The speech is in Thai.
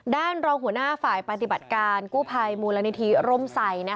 รองหัวหน้าฝ่ายปฏิบัติการกู้ภัยมูลนิธิร่มใส่